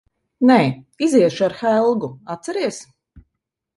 Nē. Iziešu ar Helgu, atceries?